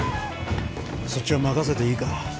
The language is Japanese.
そっちは任せていいか？